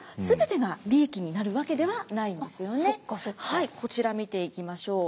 はいこちら見ていきましょう。